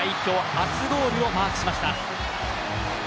初ゴールをマークしました。